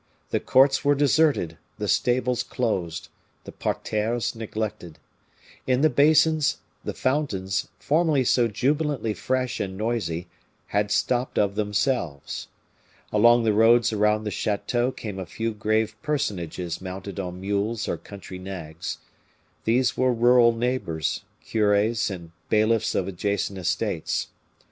The courts were deserted the stables closed the parterres neglected. In the basins, the fountains, formerly so jubilantly fresh and noisy, had stopped of themselves. Along the roads around the chateau came a few grave personages mounted on mules or country nags. These were rural neighbors, cures and bailiffs of adjacent estates.